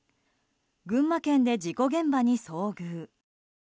群馬県で事故現場に遭遇。